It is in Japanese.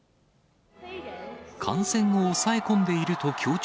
感染を抑え込んでいると強調